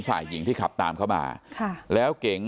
สวัสดีครับทุกคน